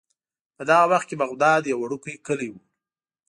په دغه وخت کې بغداد یو وړوکی کلی و.